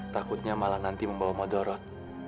takutnya malah nanti membawa modorot